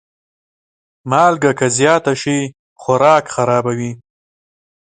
مالګه که زیاته شي، خوراک خرابوي.